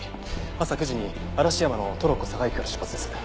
朝９時に嵐山のトロッコ嵯峨駅から出発です。